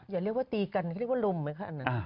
อย่าเรียกว่าตีกันเขาเรียกว่าลุมไหมคะอันนั้น